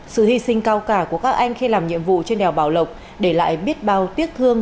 sự hy sinh cao cả của các anh khi làm nhiệm vụ trên đèo bảo lộc để lại biết bao tiếc thương